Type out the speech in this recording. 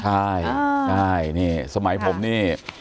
ใช่ใช่นี่สมัยผมนี่